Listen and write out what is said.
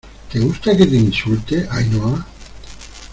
¿ te gusta que te insulte, Ainhoa?